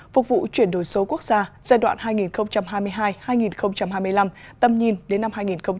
phục vụ chuyển đổi số quốc gia giai đoạn hai nghìn hai mươi hai hai nghìn hai mươi năm tầm nhìn đến năm hai nghìn ba mươi